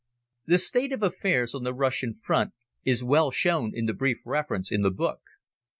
The state of affairs on the Russian front is well shown in the brief reference in the book.